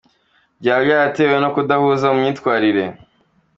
Byaba byaratewe no kudahuza mu myitwarire?.